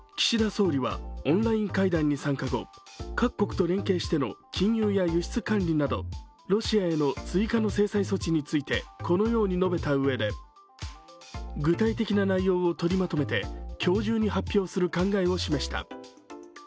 岸田総理はオンライン会談に参加後、各国と連携しての金融や輸出管理などロシアへの追加の経済措置についてこのように述べたうえ具体的な内容を取りまとめて、今日中に発表する考えを示した。